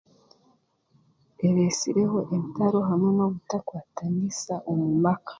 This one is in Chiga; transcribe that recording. Ereesireho entaro hamwe n'obutakwatanisa omu maka.